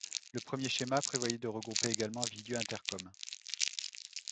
Le premier schéma prévoyait de regrouper également Villedieu Intercom.